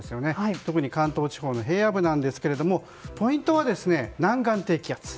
特に関東地方の平野部ですがポイントは南岸低気圧。